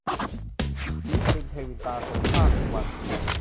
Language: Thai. ศิขริน-เทวินตา - โสภาค สุวรรณ